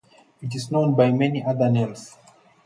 It is known by many other names.